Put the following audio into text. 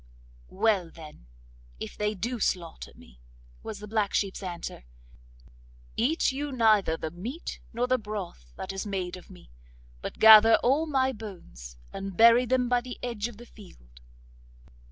'Well, then, if they do slaughter me,' was the black sheep's answer, 'eat you neither the meat nor the broth that is made of me, but gather all my bones, and bury them by the edge of the field.